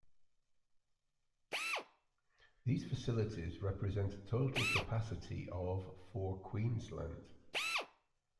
These facilities represent a total capacity of for Queensland.